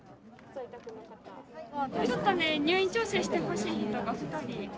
ちょっとね入院調整してほしい人が。